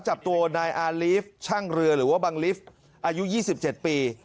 จับตัวนายอารีฟช่างเรือหรือว่าบังลิฟต์อายุ๒๗ปี